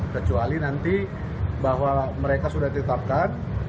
kecuali nanti bahwa mereka sudah ditetapkan